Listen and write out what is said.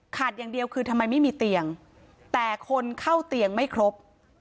อย่างเดียวคือทำไมไม่มีเตียงแต่คนเข้าเตียงไม่ครบ